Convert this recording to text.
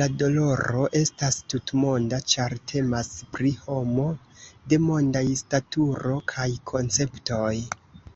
La doloro estas tutmonda, ĉar temas pri homo de mondaj staturo kaj konceptoj.